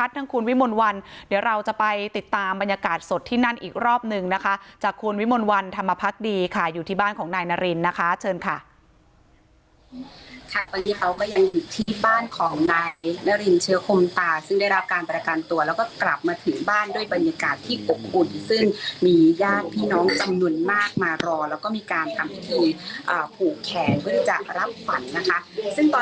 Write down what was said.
สดที่นั่นอีกรอบหนึ่งนะคะจากคุณวิมนต์วันธรรมพักดีค่ะอยู่ที่บ้านของนายนารินนะคะเชิญค่ะค่ะตอนนี้เขาก็ยังอยู่ที่บ้านของนายนารินเชื้อคมตาซึ่งได้รับการปราการตัวแล้วก็กลับมาถึงบ้านด้วยบรรยากาศที่อบอุ่นซึ่งมีย่างพี่น้องชนุนมากมารอแล้วก็มีการทำให้ทีอ่าขู่แขนเพื่อจะรับฝันนะคะซึ่งต